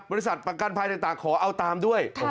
ประกันภัยต่างขอเอาตามด้วย